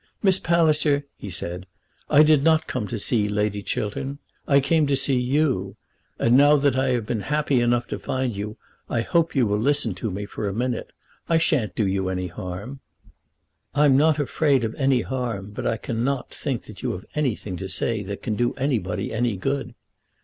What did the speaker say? "Miss Palliser," he said, "I did not come to see Lady Chiltern; I came to see you. And now that I have been happy enough to find you I hope you will listen to me for a minute. I shan't do you any harm." "I'm not afraid of any harm, but I cannot think that you have anything to say that can do anybody any good."